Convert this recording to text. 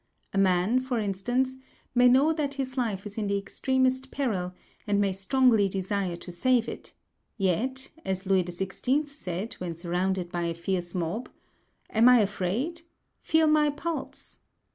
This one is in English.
A man, for instance, may know that his life is in the extremest peril, and may strongly desire to save if; yet, as Louis XVI. said, when surrounded by a fierce mob, "Am I afraid? feel my pulse."